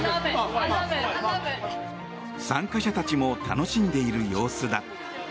参加者たちも楽しんでいる様子だ。